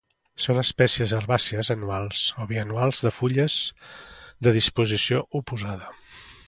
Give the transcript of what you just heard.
Són espècies herbàcies anuals o bianuals de fulles de disposició oposada.